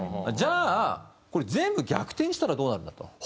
じゃあこれ全部逆転にしたらどうなるんだと。